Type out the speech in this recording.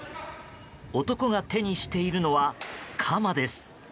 男が手にしているのは、鎌です。